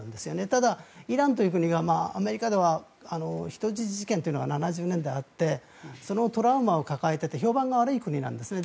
ただ、イランという国がアメリカでは人質事件というのが７０年代にあってそのトラウマを抱えていて評判が悪い国なんですね。